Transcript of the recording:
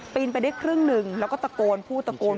ปีนไปเด็กครึ่งหนึ่งแล้วก็ตะโกนผู้ตะโกน